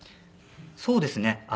そうですね。